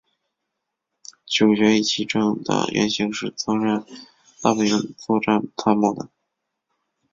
主角壹岐正的原型是曾任大本营作战参谋的。